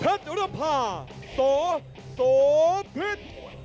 เพชรอุรพาสวพิษ